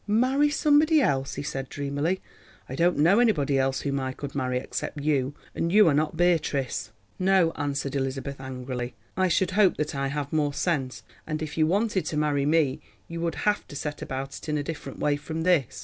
"Marry somebody else," he said dreamily; "I don't know anybody else whom I could marry except you, and you are not Beatrice." "No," answered Elizabeth angrily, "I should hope that I have more sense, and if you wanted to marry me you would have to set about it in a different way from this.